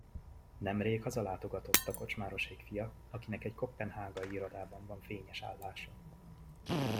Nemrég hazalátogatott a kocsmárosék fia, akinek egy koppenhágai irodában van fényes állása.